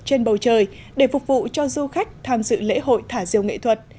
trên bầu trời để phục vụ cho du khách tham dự lễ hội thả diều nghệ thuật